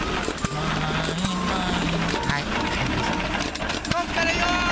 もい。もい。